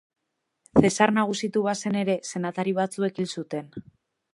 Zesar nagusitu bazen ere, senatari batzuek hil zuten.